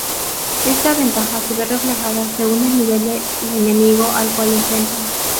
Esta ventaja se ve reflejada según el nivel del enemigo al cual enfrentan.